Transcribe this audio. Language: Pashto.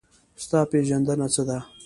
ستا پېژندنه څه ده؟